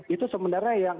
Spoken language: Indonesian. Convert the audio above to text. itu sebenarnya yang